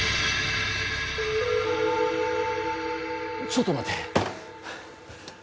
ちょっと待て。